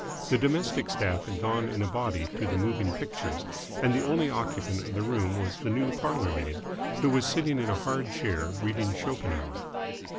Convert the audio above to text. The domestic staff had gone in a body to the moving pictures, and the only occupant of the room was the new parlourmaid, who was sitting in a hard chair, reading Schopenhauer.